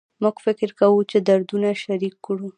موږ فکر کوو چې دردونه شریک کړو